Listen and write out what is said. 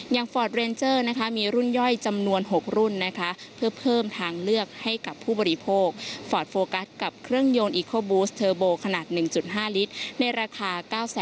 อย่างฟอร์ดเรนเจอร์นะคะมีรุ่นย่อยจำนวนหกรุ่นนะคะ